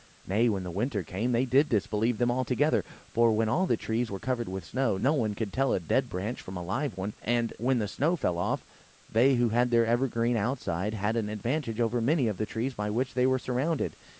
Nay, when the winter came, they did disbelieve them altogether; for, when all the trees were covered with snow, no one could tell a dead branch from a live one; and, when the snow fell off, they who had their evergreen outside, had an advantage over many of the trees by which they were surrounded.